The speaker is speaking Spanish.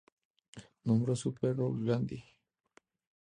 Nombró a su perro "Gandhi".